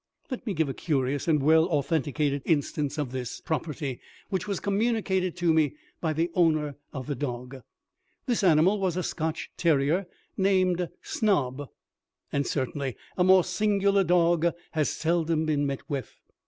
Let me give a curious and well authenticated instance of this property, which was communicated to me by the owner of the dog. This animal was a Scotch terrier, named Snob, and certainly a more singular dog has seldom been met with.